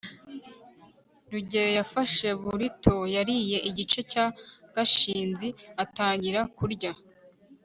rugeyo yafashe burrito yariye igice cya gashinzi atangira kurya